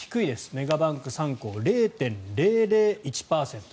メガバンク３行０．００１％。